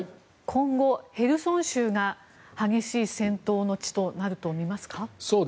今後、ヘルソン州が激しい戦闘の地となるとみますか？